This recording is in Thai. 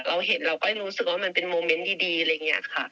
เราเห็นเราก็รู้สึกว่ามันเป็นโมเมนต์ดีอะไรอย่างนี้ค่ะ